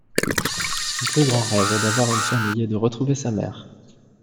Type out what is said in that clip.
Son plus grand rêve est d'avoir une famille et de retrouver sa mère.